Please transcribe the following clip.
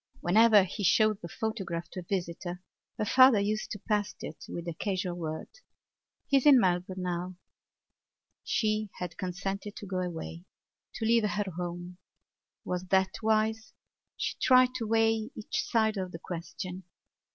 Whenever he showed the photograph to a visitor her father used to pass it with a casual word: "He is in Melbourne now." She had consented to go away, to leave her home. Was that wise? She tried to weigh each side of the question.